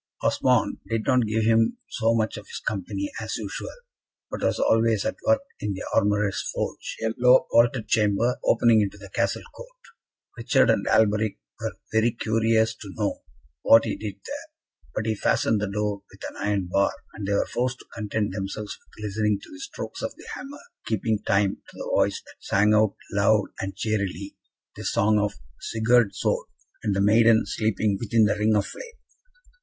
Osmond did not give him so much of his company as usual, but was always at work in the armourer's forge a low, vaulted chamber, opening into the Castle court. Richard and Alberic were very curious to know what he did there; but he fastened the door with an iron bar, and they were forced to content themselves with listening to the strokes of the hammer, keeping time to the voice that sang out, loud and cheerily, the song of "Sigurd's sword, and the maiden sleeping within the ring of flame."